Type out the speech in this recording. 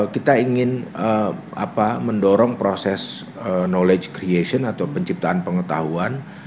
kita ingin mendorong proses knowledge creation atau penciptaan pengetahuan